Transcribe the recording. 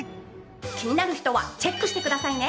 気になる人はチェックしてくださいね。